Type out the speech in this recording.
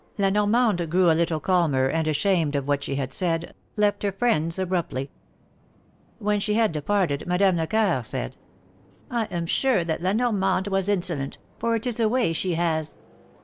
La Normande grew a little calmer, and ashamed of what she had said, left her friends abruptly. When she had departed, Madame Lecoeur said : am sure that La Norrnande was insolent, for it is a way she has.